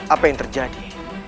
apa yang terjadi